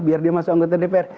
biar dia masuk anggota dpr